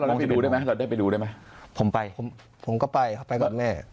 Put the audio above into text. แล้วเราได้ไปดูได้ไหมผมไปผมก็ไปไปกับแม่